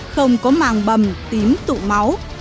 không có màng bầm tím tụ máu